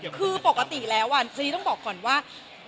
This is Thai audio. คือปกติแล้วจี้ต้องบอกก่อนว่า